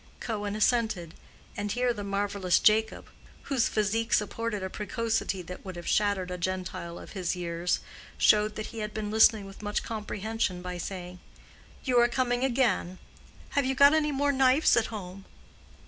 Cohen assented; but here the marvelous Jacob, whose physique supported a precocity that would have shattered a Gentile of his years, showed that he had been listening with much comprehension by saying, "You are coming again. Have you got any more knives at home?"